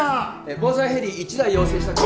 防災ヘリ１台要請したく。